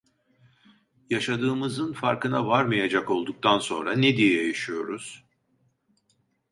Yaşadığımızın farkına varmayacak olduktan sonra ne diye yaşıyoruz?